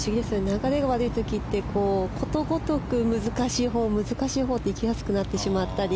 流れが悪い時って、ことごとく難しいほう難しいほうにいきやすくなってしまったり。